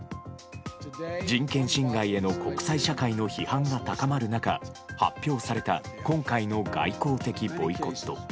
人権侵害への国際社会の批判が高まる中発表された今回の外交的ボイコット。